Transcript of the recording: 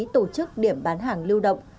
tổ chức điểm bán hàng lưu động